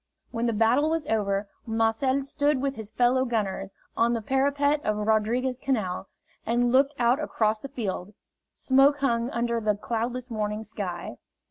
When the battle was over, Marcel stood with his fellow gunners on the parapet of Rodriguez Canal and looked out across the field smoke hung under the cloudless morning sky.